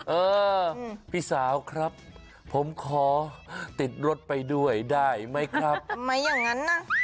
เออพี่สาวครับผมขอติดรถไปด้วยได้ไหมครับทำไมอย่างนั้นน่ะ